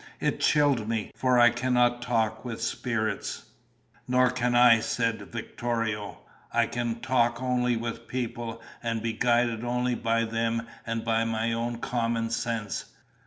It chilled me, for I cannot talk with spirits." "Nor can I," said Victorio. "I can talk only with people and be guided only by them and by my own common sense.